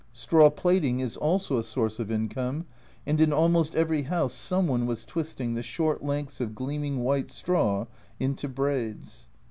Straw plaiting is also a source of income, and in almost every house some one was twisting the short lengths of gleaming white straw into braids.